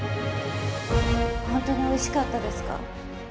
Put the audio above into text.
ホントにおいしかったですか？